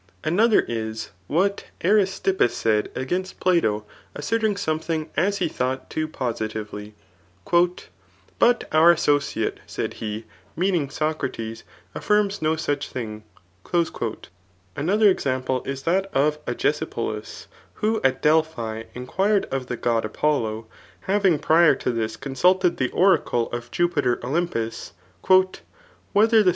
Another is, what Aristippus said against Plato asserting something as he thought too positively ;^^ But our associate^ said he, meaning Socrates, affirms no such thing." Another example is that of Agesipoli^ who at Delphi inquired of the god [Apollo,] having prior to this consulted the oracle of Jupiter Olympus, '' Whether the.